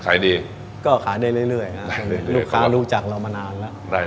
ขายดีก็ขายได้เรื่อยลูกค้ารู้จักเรามานานแล้วได้